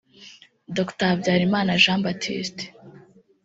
Dr Habyarimana Jean Baptiste